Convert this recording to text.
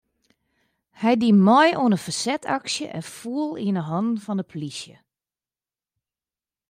Hy die mei oan in fersetsaksje en foel yn hannen fan de polysje.